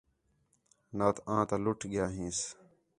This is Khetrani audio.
نات آں تا لُٹ ڳِیا ھینس